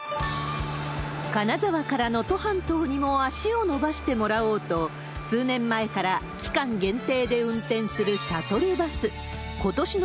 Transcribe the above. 金沢から能登半島にも足を伸ばしてもらおうと、数年前から期間限定で運転するシャトルバス。